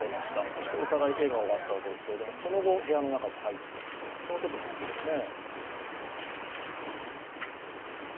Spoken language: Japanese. そしてお互い笑顔があったわけですけども、その後、部屋の中に入っていくというときの映像ですね。